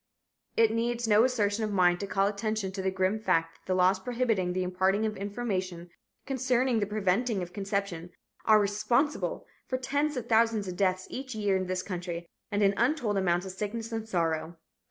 It needs no assertion of mine to call attention to the grim fact that the laws prohibiting the imparting of information concerning the preventing of conception are responsible for tens of thousands of deaths each year in this country and an untold amount of sickness and sorrow.